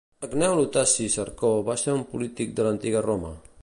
Gneu Lutaci Cercó va ser un polític de l'antiga Roma.